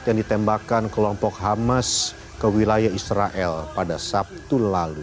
yang ditembakkan kelompok hamas ke wilayah israel pada sabtu lalu